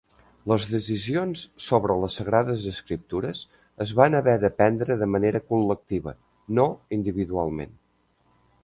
Les decisions sobre les Sagrades Escriptures es van haver de prendre de manera col·lectiva, no individualment.